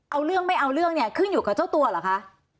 เอาเรื่องไม่เอาเรื่องเนี่ยขึ้นอยู่กับเจ้าตัวเหรอคะ